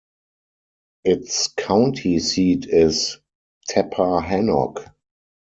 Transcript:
Its county seat is Tappahannock.